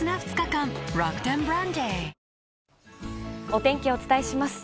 お天気をお伝えします。